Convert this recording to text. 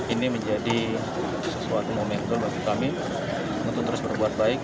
ini menjadi sesuatu momentum bagi kami untuk terus berbuat baik